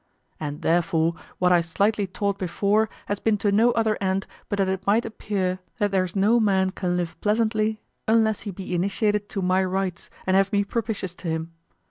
And therefore, what I slightly taught before has been to no other end but that it might appear that there's no man can live pleasantly unless he be initiated to my rites and have me propitious to him.